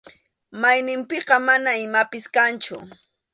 Mayninpiqa mana imapas kanchu.